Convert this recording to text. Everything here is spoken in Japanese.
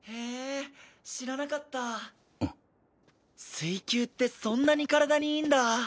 水球ってそんなに体にいいんだ。